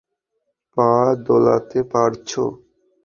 পা দোলাতে পারছো?